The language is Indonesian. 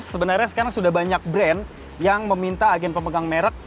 sebenarnya sekarang sudah banyak brand yang meminta agen pemegang merek